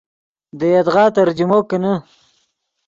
دے یدغا ترجمو کینے